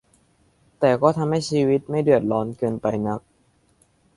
แต่ก็ทำให้ชีวิตไม่เดือดร้อนเกินไปนัก